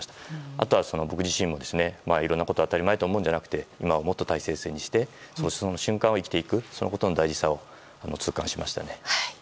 あとは僕自身もいろんなことを当たり前と思うのではなくて今を大切にしていくそのことの大事さを痛感しましたね。